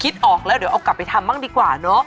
ออกแล้วเดี๋ยวเอากลับไปทำบ้างดีกว่าเนอะ